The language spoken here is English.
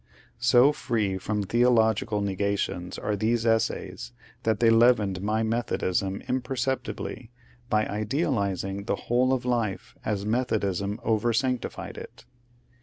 So free from theological negations are these Essays that they leavened my Methodism imperceptibly by idealizing the whole of life as Methodism over sanctified it.